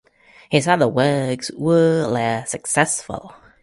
His other works were less successful.